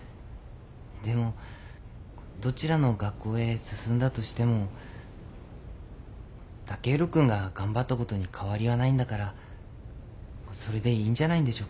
でもどちらの学校へ進んだとしても剛洋君が頑張ったことに変わりはないんだからそれでいいんじゃないんでしょうか。